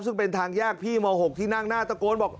ซึ่งเป็นทางแยกพี่ม๖ที่นั่งหน้าตะโกนบอก